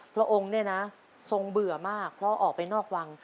พระองค์เนี่ยนะทรงเบื่อมากเพราะออกไปนอกวัง